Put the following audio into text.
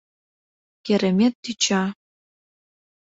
— Керемет тӱча!